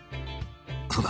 そうだ